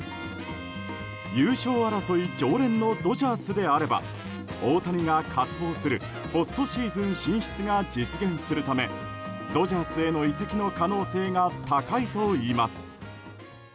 優勝争い常連のドジャースであれば大谷が渇望するポストシーズン進出が実現するためドジャースへの移籍の可能性が高いといいます。